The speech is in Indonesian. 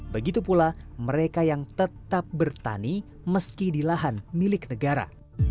begitu pula mereka yang tetap bertani meski di lahan milik negara